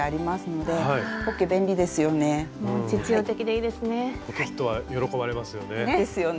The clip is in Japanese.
ですよね。